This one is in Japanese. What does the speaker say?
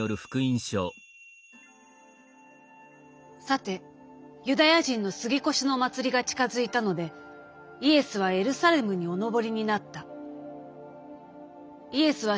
「さてユダヤ人の過越の祭りが近づいたのでイエスはエルサレムにお上りになった」。